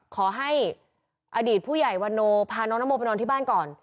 ขอให้อดีตผู้ใหญ่วันโนพาน้องนโมไปนอนที่บ้านก่อน